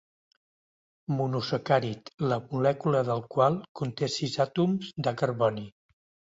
Monosacàrid la molècula del qual conté sis àtoms de carboni.